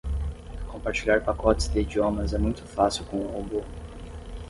Compartilhar pacotes de idiomas é muito fácil com o robô.